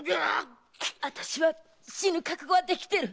あたしは死ぬ覚悟はできてる。